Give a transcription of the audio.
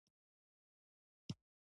ډيپلومات د نورو هېوادونو دریځونه درک کوي.